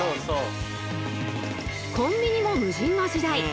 コンビニも無人の時代。